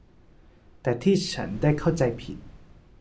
แต่ที่ฉันได้เข้าใจผิด